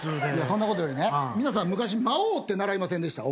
そんなことよりね皆さん昔『魔王』って習いませんでした？